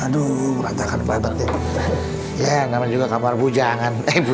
aduh rata rata namanya juga kamar bujangan